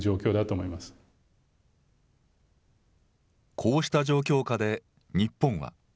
こうした状況下で、日本は。